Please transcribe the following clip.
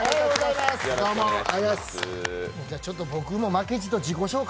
じゃあちょっと負けじと自己紹介